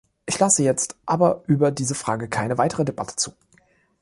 Ich lasse jetzt aber über diese Frage keine weitere Debatte zu!